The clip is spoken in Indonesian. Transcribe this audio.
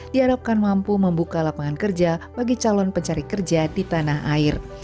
diharapkan mampu membuka lapangan kerja bagi calon pencari kerja di tanah air